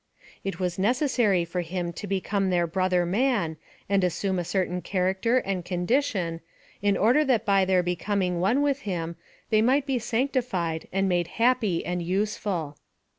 It was necessary for him to become their brother man, and assume a certain character and condition, in order that by their becoming one with him, they might be sanctified and made hap py and useful.